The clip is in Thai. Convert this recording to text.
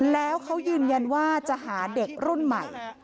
แล้วเขายืนยันว่าจะหาเด็กรุ่นใหม่